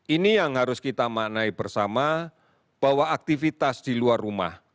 ini yang harus kita maknai bersama bahwa aktivitas di luar rumah